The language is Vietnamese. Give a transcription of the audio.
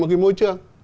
một cái môi trường